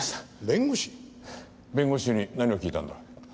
弁護士？弁護士に何を聞いたんだ？